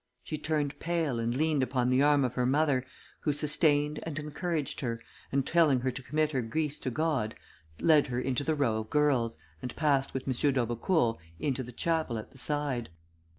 She turned pale and leaned upon the arm of her mother, who sustained and encouraged her, and telling her to commit her griefs to God, led her into the row of girls, and passed with M. d'Aubecourt into the chapel at the side.